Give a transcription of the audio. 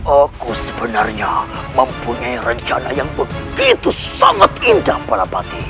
aku sebenarnya mempunyai rencana yang begitu sangat indah balapati